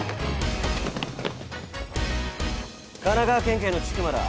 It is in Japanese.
神奈川県警の千曲だ。